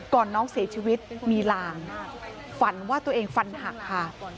น้องเสียชีวิตมีลางฝันว่าตัวเองฟันหักค่ะ